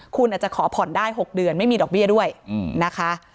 คุณอาจจะขอผ่อนได้๖เดือนไม่มีดอกเบี้ยด้วยนะคะ